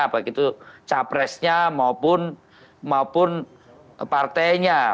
begitu capresnya maupun partainya